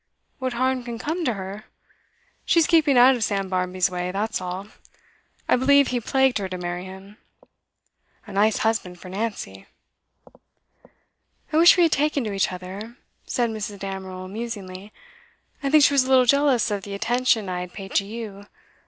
What harm can come to her? She's keeping out of Sam Barmby's way, that's all. I believe he plagued her to marry him. A nice husband for Nancy!' 'I wish we had taken to each other,' said Mrs. Damerel musingly. 'I think she was a little jealous of the attention I had paid to you.